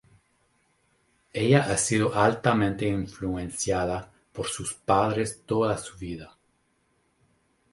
Ella ha sido altamente influenciada por sus padres toda su vida.